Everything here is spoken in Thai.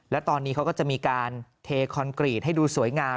และตอนนี้เขาก็จะมีการเทคอนกรีตให้ดูสวยงาม